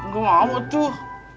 gak mau tuh